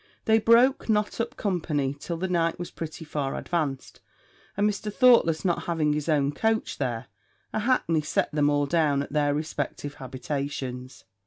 They broke not up company till the night was pretty far advanced; and Mr. Thoughtless not having his own coach there, a hackney set them all down at their respective habitations.